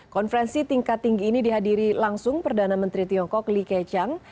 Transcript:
konferensi tingkat tinggi ini dihadiri langsung perdana menteri tiongkok li keqiang